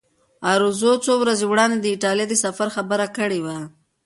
ارزو څو ورځې وړاندې د ایټالیا د سفر خبره کړې وه.